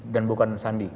dan bukan sandi